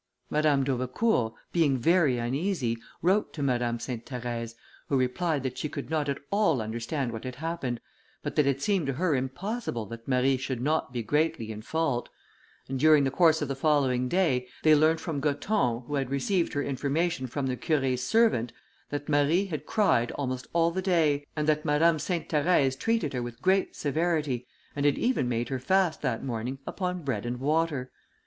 Madame d'Aubecourt, being very uneasy, wrote to Madame Sainte Therèse, who replied that she could not at all understand what had happened, but that it seemed to her impossible that Marie should not be greatly in fault: and during the course of the following day, they learned from Gothon, who had received her information from the Curé's servant, that Marie had cried almost all the day, and that Madame Sainte Therèse treated her with great severity, and had even made her fast that morning upon bread and water.